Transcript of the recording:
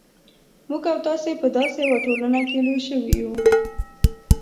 موږ او تاسې په داسې یوه ټولنه کې لوی شوي یو.